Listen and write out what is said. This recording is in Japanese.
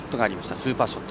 スーパーショット